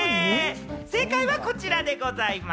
正解はこちらでございます。